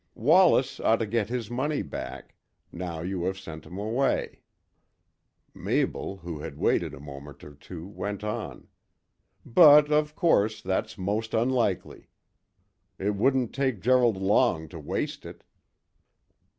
Wallace ought to get his money back, now you have sent him away," Mabel, who had waited a moment or two, went on. "But, of course, that's most unlikely. It wouldn't take Gerald long to waste it."